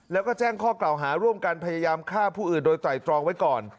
แล้วก็แจ้งข้อกล่าวหาร่วมกันพยายามฆ่าผู้อื่นโดยไตรตรองไว้ก่อน